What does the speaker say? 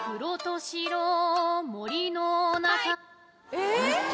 えっ？